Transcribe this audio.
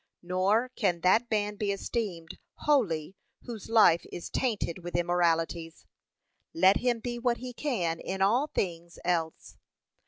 Nor can that man be esteemed holy whose life is tainted with immoralities, let him be what he can in all things else.